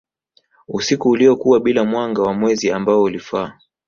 usiku uliokuwa bila mwanga wa mwezi ambao ulifaa